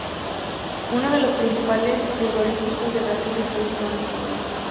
Uno de los principales frigoríficos de Brasil está ubicado en la ciudad.